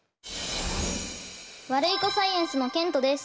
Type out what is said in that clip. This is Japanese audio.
ワルイコサイエンスのけんとです。